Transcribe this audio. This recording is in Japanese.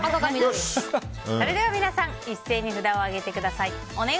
それでは皆さん一斉に札を上げてください。